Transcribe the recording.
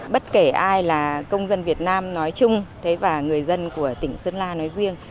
bất kể ai là công dân việt nam nói chung và người dân của tỉnh sơn la nói riêng